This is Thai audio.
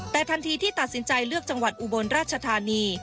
แต่ทันทีที่ตัดสินใจเลือกจังหวัดอุบลราชธานี